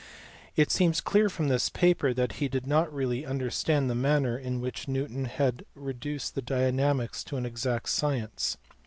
It seems clear from this paper that he did not really understand the manner in which Newton had reduced dynamics to an exact science.